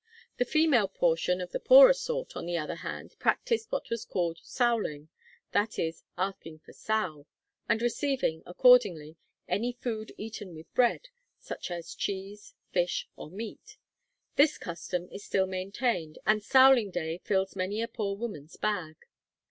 The female portion of the poorer sort, on the other hand, practised what was called sowling, viz., asking for 'sowl,' and receiving, accordingly, any food eaten with bread, such as cheese, fish, or meat. This custom is still maintained, and 'sowling day' fills many a poor woman's bag.